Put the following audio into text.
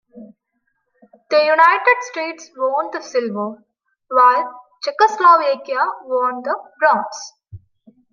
The United States won the silver, while Czechoslovakia won the bronze.